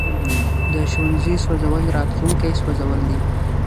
د ښوونځي سوځول راتلونکی سوځول دي.